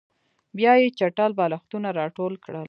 بیا یې چټل بالښتونه راټول کړل